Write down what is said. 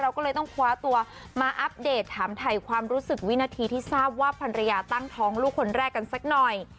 ก็เลยต้องคว้าตัวมาอัปเดตถามถ่ายความรู้สึกวินาทีที่ทราบว่าภรรยาตั้งท้องลูกคนแรกกันสักหน่อย